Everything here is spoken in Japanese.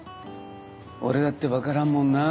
俺だって分からんもんなあ。